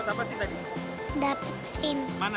mana sim nya tunjukin dong